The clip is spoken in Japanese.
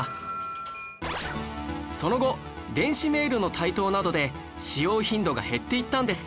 その後電子メールの台頭などで使用頻度が減っていったんです